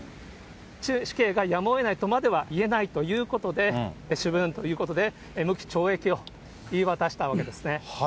死刑がやむをえないとまではいえないということで、主文ということで、無期懲役を言い渡したわけですね。